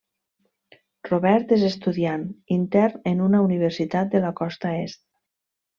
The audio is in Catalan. Robert és estudiant, intern en una universitat de la costa Est.